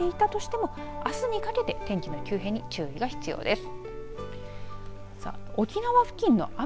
あすも晴れていたとしてもあすにかけて天気の急変に注意が必要です。